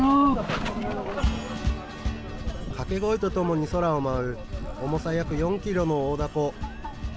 掛け声とともに空を舞う、重さ約４キロの大凧。